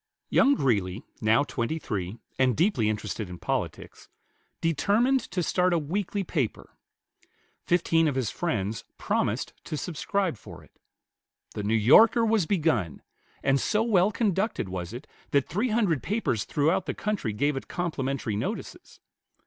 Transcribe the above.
Young Greeley, now twenty three, and deeply interested in politics, determined to start a weekly paper. Fifteen of his friends promised to subscribe for it. The "New Yorker" was begun, and so well conducted was it that three hundred papers throughout the country gave it complimentary notices.